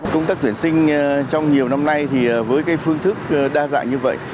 công tác tuyển sinh trong nhiều năm nay với phương thức đa dạng như vậy